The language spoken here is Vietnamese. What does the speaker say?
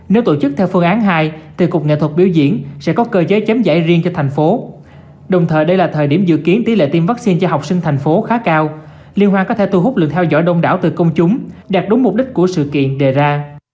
nếu tổ chức theo phương án hai thì cục nghệ thuật biểu diễn sẽ có cơ chế chấm giải riêng cho thành phố đồng thời đây là thời điểm dự kiến tỷ lệ tiêm vaccine cho học sinh thành phố khá cao liên hoan có thể thu hút lượng theo dõi đông đảo từ công chúng đạt đúng mục đích của sự kiện đề ra